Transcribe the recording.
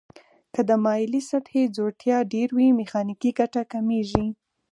که د مایلې سطحې ځوړتیا ډیر وي میخانیکي ګټه کمیږي.